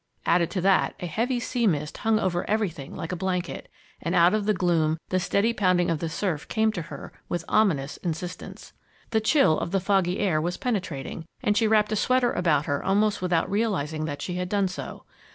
Added to that, a heavy sea mist hung over everything like a blanket, and, out of the gloom, the steady pounding of the surf came to her with ominous insistence. The chill of the foggy air was penetrating, and she wrapped a sweater about her almost without realizing that she had done so.